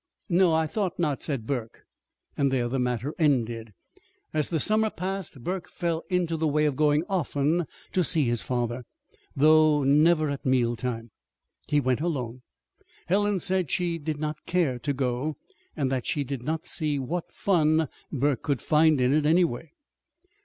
"No, I thought not," said Burke. And there the matter ended. As the summer passed, Burke fell into the way of going often to see his father, though never at meal time. He went alone. Helen said she did not care to go, and that she did not see what fun Burke could find in it, anyway.